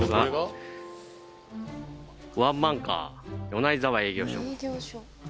「ワンマンカー米内沢営業所」。